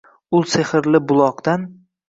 Ul sehrli buloqdan.